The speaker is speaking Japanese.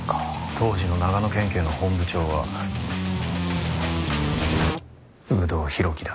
当時の長野県警の本部長は有働弘樹だ。